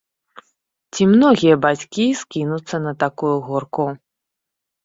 Ці многія бацькі скінуцца на такую горку?